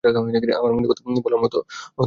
আমার মনের কথা বলার মতো কেউ নেই।